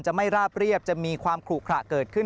ไม่ราบเรียบจะมีความขลุขระเกิดขึ้น